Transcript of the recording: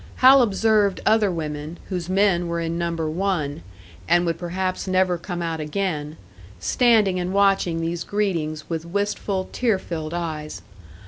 Hal observed other women, whose men were in Number One, and would perhaps never come out again, standing and watching these greetings with wistful, tear filled eyes.